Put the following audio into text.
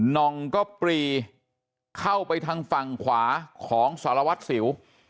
นองก็ปรีเข้าไปทางฝั่งขวาของสารวัตรสิว